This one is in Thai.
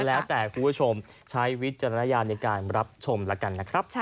แล้วแต่คุณผู้ชมใช้วิจารณญาณในการรับชมแล้วกันนะครับ